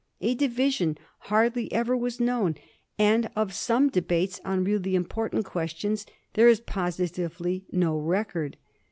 A division hardly ever was known, and of some debates on really important questions there is positively no record.